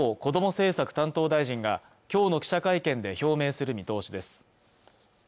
政策担当大臣がきょうの記者会見で表明する見通しです